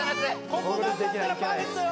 ここ頑張ったらパーフェクトよ・